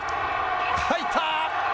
入った。